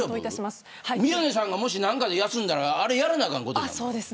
宮根さんが、何かで休んだらあれ、やらなあかんよ。